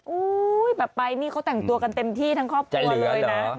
แบบไปนี่เขาแต่งตัวกันเต็มที่ทั้งครอบครัวเลยนะ